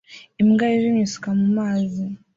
Imbwa yijimye isuka mu mazi